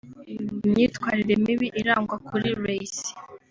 Imyitwarire mibi irangwa kuri Ray C